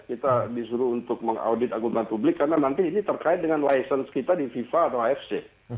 kita disuruh untuk mengaudit akuntan publik karena nanti ini terkait dengan license kita di fifa atau afc